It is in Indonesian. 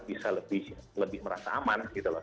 bisa lebih merasa aman gitu loh